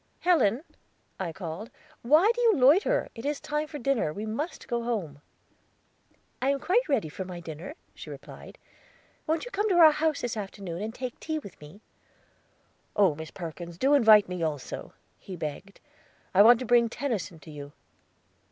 Helen," I called, "why do you loiter? It is time for dinner. We must go home." "I am quite ready for my dinner," she replied. "Wont you come to our house this afternoon and take tea with me?" "Oh, Miss Perkins, do invite me also," he begged. "I want to bring Tennyson to you."